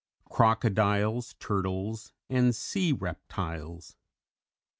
_Crocodiles, Turtles and Sea Reptiles.